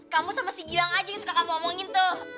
kamu sama si gilang aja yang suka kamu omongin tuh